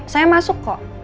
saya masuk kok